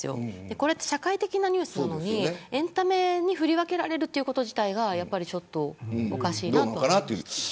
これって社会的なニュースなのにエンタメに振り分けられるということ自体がやっぱりちょっとおかしいなと思います。